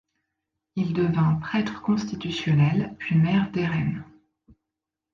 Il devint prêtre constitutionnel puis maire d'Airaines.